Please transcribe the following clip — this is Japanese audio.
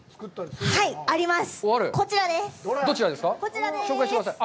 はい、あります。